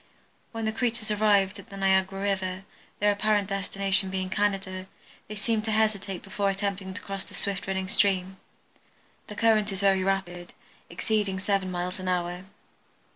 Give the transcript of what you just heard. When the creatures arrived at the Niagara river, their apparent destination being Canada, they seemed to hesitate before attempting to cross the swift running stream. The current is very rapid, exceeding seven miles an hour.